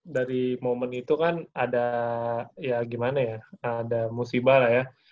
dari momen itu kan ada ya gimana ya ada musibah lah ya